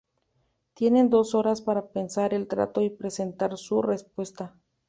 Tienen dos horas para pensar el trato y presentar su respuesta.